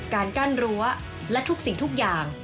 การกั้นรั้วและทุกสิ่งทุกอย่าง